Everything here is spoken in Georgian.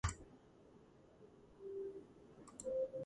ზაფხულ-შემოდგომაზე იცის წყალმოვარდნა.